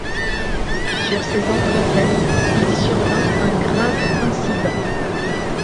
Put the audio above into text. Sur ces entrefaites, il survint un grave incident.